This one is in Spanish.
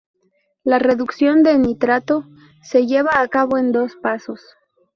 La reducción de nitrato se lleva a cabo en dos pasos.